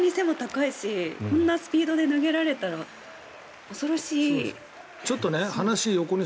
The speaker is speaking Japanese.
本当に背も高いしこんなスピードで投げれらたら恐ろしいですよね。